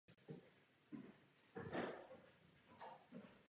Má přírodní nadání a magické schopnosti.